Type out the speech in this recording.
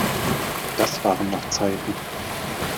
Das waren noch Zeiten!